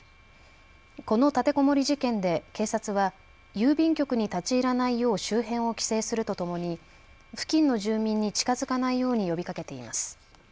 この立てこもり事件で警察は郵便局に立ち入らないよう周辺を規制するとともに付近の住民に近づかないように呼びかけています。